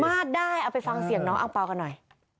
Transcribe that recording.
ได้เอาไปฟังเสียงน้องอังเปล่ากันหน่อย